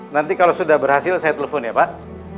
nanti kalau sudah berhasil saya telepon ya pak